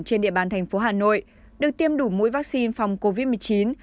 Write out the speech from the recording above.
trên địa bàn thành phố hà nội được tiêm đủ mũi vaccine phòng covid một mươi chín